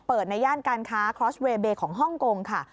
ในย่านการค้าคลอสเวเบย์ของฮ่องกงค่ะ